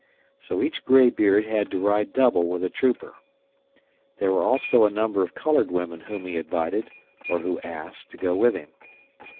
So each graybeard had to ride double with a trooper. There were also a number of colored women whom he invited, or who asked, to go with him.